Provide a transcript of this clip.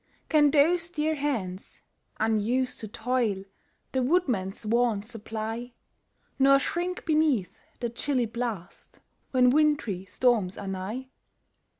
Can those dear hands, unused to toil, The woodman's wants supply, Nor shrink beneath the chilly blast When wintry storms are nigh?